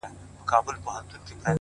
هغه به څرنګه بلا وویني”